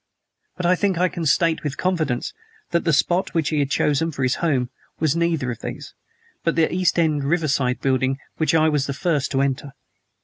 But I think I can state with confidence that the spot which he had chosen for his home was neither of these, but the East End riverside building which I was the first to enter.